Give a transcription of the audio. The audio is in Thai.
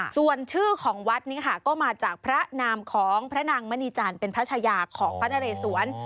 ส่วนชื่อของวัดนี้ค่ะก็มาจากพระนามของพระนางมณีจันทร์เป็นพระชายาของพระนเรสวน